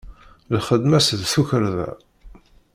Lxedma-s d tukarḍa.